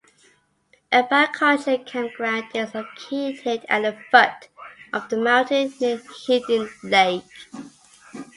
A backcountry campground is located at the foot of the mountain, near Hidden Lake.